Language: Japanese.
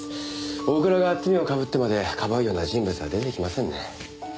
大倉が罪を被ってまでかばうような人物は出てきませんね。